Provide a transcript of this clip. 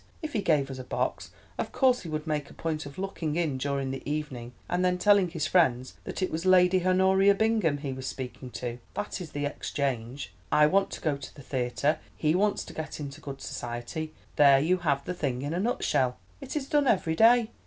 If he gave us a box, of course he would make a point of looking in during the evening, and then telling his friends that it was Lady Honoria Bingham he was speaking to—that is the exchange. I want to go to the theatre; he wants to get into good society—there you have the thing in a nutshell. It is done every day.